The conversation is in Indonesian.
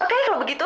oke kalau begitu